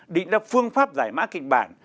định ra phương pháp giải mã kịch bản